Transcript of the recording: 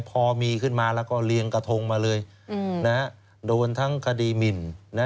พอมีขึ้นมาแล้วก็เรียงกระทงมาเลยโดนทั้งคดีหมิน